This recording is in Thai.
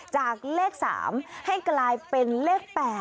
จากเลข๓ให้กลายเป็นเลข๘